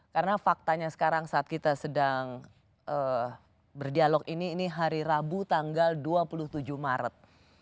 karena faktanya sekarang saat kita sedang berdialog ini ini hari rabu tanggal dua puluh tujuh maret